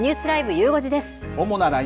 ゆう５時です。